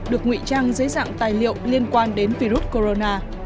được ngụy trang dưới dạng tài liệu liên quan đến virus corona